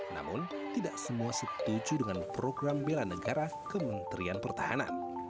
namun tidak semua setuju dengan program bela negara kementerian pertahanan